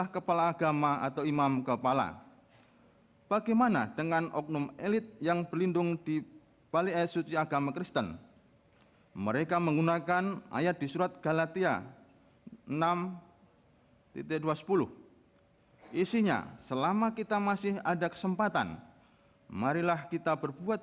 kepulauan seribu kepulauan seribu